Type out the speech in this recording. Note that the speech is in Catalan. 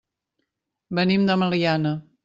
Venim de Meliana.